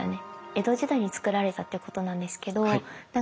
江戸時代につくられたってことなんですけど。